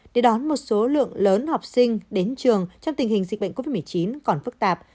để đón một số lượng lớn học sinh đến trường trong tình hình dịch bệnh covid một mươi chín còn phức tạp